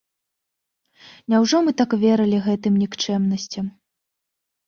Няўжо мы так верылі гэтым нікчэмнасцям?